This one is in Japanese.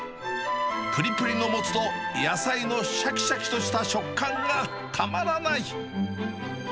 ぷりぷりのモツと野菜のしゃきしゃきとした食感がたまらない。